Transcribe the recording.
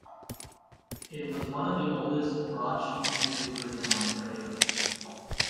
It was one of the oldest broadsheet newspapers in Ontario.